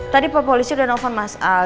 tadi pak polisi udah nelfon mas al